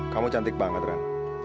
kamu cantik banget ran